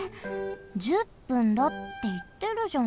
１０分だっていってるじゃん。